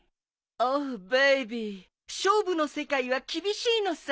オウベイビー勝負の世界は厳しいのさ。